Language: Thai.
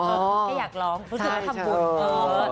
แค่อยากร้องรู้สึกว่าทำบุญ